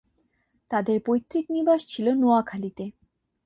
তাদের পৈতৃক নিবাস ছিল নোয়াখালীতে।